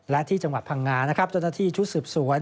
และที่จังหวัดพังงาจนที่ชุดสืบสวน